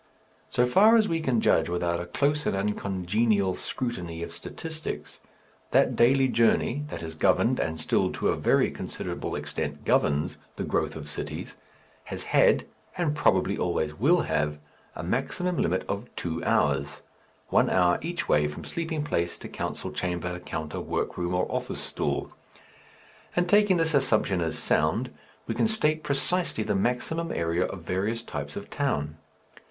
So far as we can judge without a close and uncongenial scrutiny of statistics, that daily journey, that has governed and still to a very considerable extent governs the growth of cities, has had, and probably always will have, a maximum limit of two hours, one hour each way from sleeping place to council chamber, counter, workroom, or office stool. And taking this assumption as sound, we can state precisely the maximum area of various types of town.